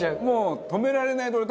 もう止められない。